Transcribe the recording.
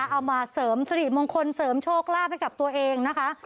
เอามาเสริมสิริมงคลเสริมโชคลาภให้กับตัวเองนะคะ